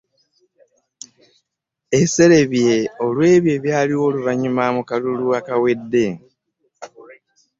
Eserebye olw'ebyo ebyaliwo oluvannyuma mu kalulu akawedde